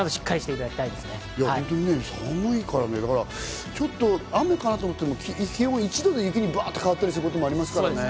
寒いから雨かなと思っても気温１度で雪にバッて変わったりすることもありますからね。